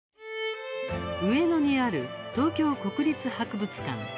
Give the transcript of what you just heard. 上野にある東京国立博物館。